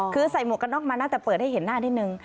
คือใส่หมวกกันน็อกมานะแต่เปิดให้เห็นหน้านิดนึง